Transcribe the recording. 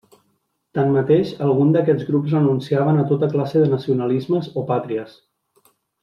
Tanmateix algun d'aquests grups renunciaven a tota classe de nacionalismes o pàtries.